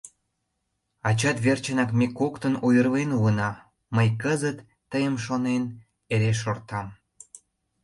Ачат верчынак ме коктын ойырлен улына, мый кызыт, тыйым шонен, эре шортам.